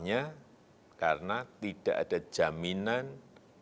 minha juga masih tidak all sans